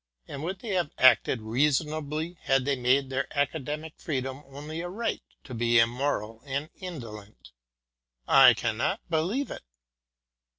and would they have acted reasonably had they made their Academic Freedom only a right to be immoral and indolent ? I cannot believe it.